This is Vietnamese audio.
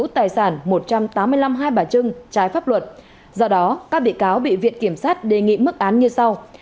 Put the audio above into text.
tài sản một trăm tám mươi năm hai bà trưng trái pháp luật do đó các bị cáo bị viện kiểm sát đề nghị mức án như sau